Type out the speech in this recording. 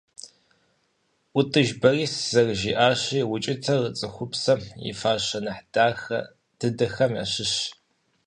ӀутӀыж Борис зэрыжиӀащи укӀытэр цӀыхупсэм и фащэ нэхъ дахэ дыдэхэм ящыщщ.